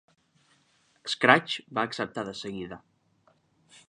"Scratch" va acceptar de seguida.